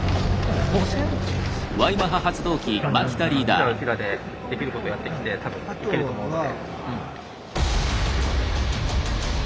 うちらはうちらでできることやってきて多分いけると思うので。